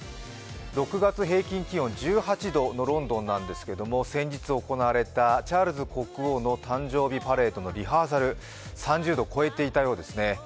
６月平均気温１８度のロンドンなんですけれども先日行われたチャールズ国王の誕生日パレードのリハーサル、３０度を超えていたようですね。